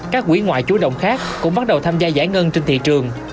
các quỹ ngoại chú động khác cũng bắt đầu tham gia giải ngân trên thị trường